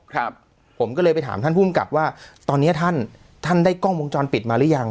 ครับผมก็เลยไปถามท่านภูมิกับว่าตอนเนี้ยท่านท่านได้กล้องวงจรปิดมาหรือยัง